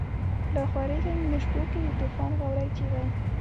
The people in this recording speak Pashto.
لاخوریږی نیمو شپو کی، دتوفان غاوری چیغی